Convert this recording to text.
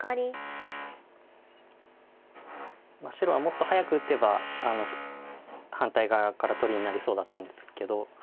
白がもっと早く打てば反対側から取りになりそうだったんですけど。